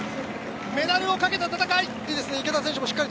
メダルをかけた戦い！